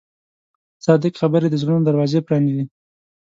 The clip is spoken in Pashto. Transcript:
صادق خبرې د زړونو دروازې پرانیزي.